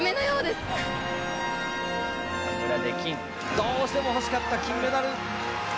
どうしても欲しかった金メダル。